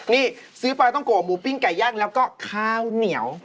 นี่ซื้อปลาต้องโกะหมูปิ้งไก่ย่างแล้วก็ข้าวเหนียว